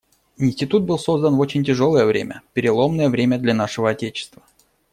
Институт был создан в очень тяжелое время, переломное время для нашего отечества.